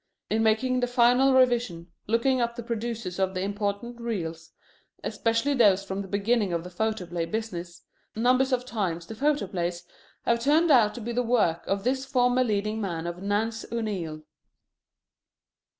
In making the final revision, looking up the producers of the important reels, especially those from the beginning of the photoplay business, numbers of times the photoplays have turned out to be the work of this former leading man of Nance O'Neil.